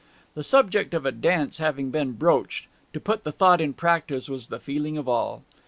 The subject of a dance having been broached, to put the thought in practice was the feeling of all.